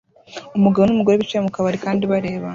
Umugabo numugore bicaye mukabari kandi bareba